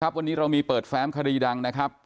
วันนี้เรามีเปิดแฟ้มคดีดังนะครับ